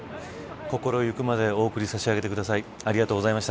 心ゆくまでお送りさし上げてください。